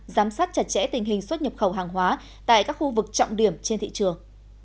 giám sát chặt chẽ tình hình xuất nhập khẩu hàng hóa tại các khu vực trọng điểm trên thị trường